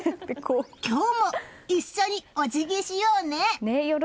今日も一緒におじぎしようね！